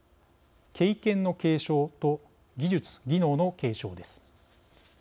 経験の継承と技術・技能の継承です。